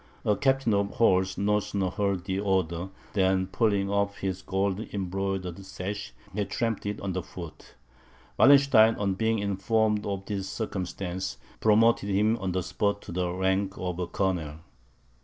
A captain of horse no sooner heard the order, than pulling off his gold embroidered sash, he trampled it under foot; Wallenstein, on being informed of the circumstance, promoted him on the spot to the rank of Colonel.